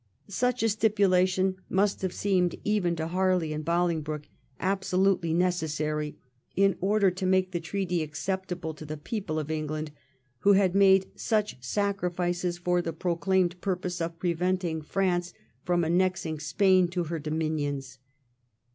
Such a stipulation must have seemed even to Harley and Bolingbroke absolutely necessary in order to make the treaty acceptable to the people of England, who had made such sacrifices for the proclaimed purpose of prevent ing France from annexing Spain to her dominions.